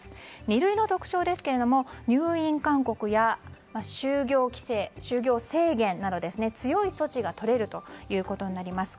二類の特徴ですが入院勧告や就業規制、制限など強い措置がとれるということになります。